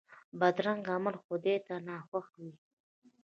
بدرنګه عمل خدای ته ناخوښه وي